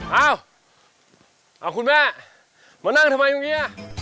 เอ้าคุณแม่มานั่งทำไมตรงนี้